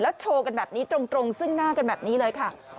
โชว์กันแบบนี้ตรงซึ่งหน้ากันแบบนี้เลยค่ะ